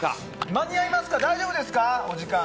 間に合いますか、大丈夫ですかお時間。